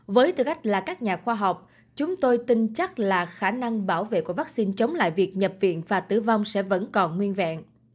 với tư cách là các nhà khoa học chúng tôi tin chắc là khả năng bảo vệ của vaccine chống lại việc nhập viện và tử vong sẽ vẫn còn nguyên vẹn